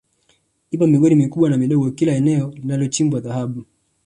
Ipo migodi mikubwa na midogo kila eneo linalochimbwa Dhahabu